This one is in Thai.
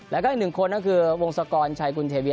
แล้วก็อีกหนึ่งคนก็คือวงศกรชัยกุลเทวี